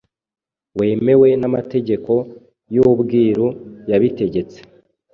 wemewe n’amategeko y’ubwiru.yabitegetse